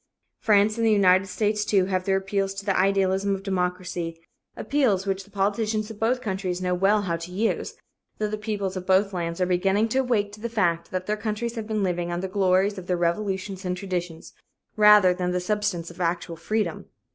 France and the United States, too, have their appeals to the idealism of democracy appeals which the politicians of both countries know well how to use, though the peoples of both lands are beginning to awake to the fact that their countries have been living on the glories of their revolutions and traditions, rather than the substance of freedom.